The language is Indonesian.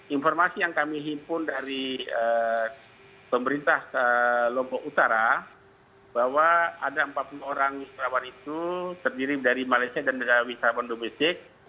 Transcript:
informasi yang kami himpun dari pemerintah lombok utara bahwa ada empat puluh orang wisatawan itu terdiri dari malaysia dan negara wisatawan domestik